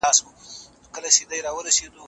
ولې په ښوونځي کې نظم مهم دی؟